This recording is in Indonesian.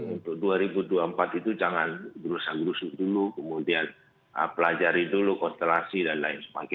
untuk dua ribu dua puluh empat itu jangan berusaha gerusuk dulu kemudian pelajari dulu konstelasi dan lain sebagainya